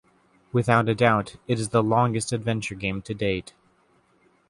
Without a doubt, it is the longest adventure game to date.